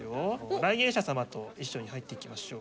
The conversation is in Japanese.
来園者様と一緒に入っていきましょう。